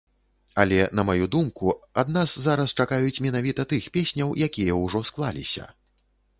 Але, на маю думку, ад нас зараз чакаюць менавіта тых песняў, якія ўжо склаліся.